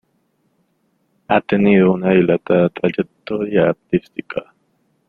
Ha tenido una dilatada trayectoria artística.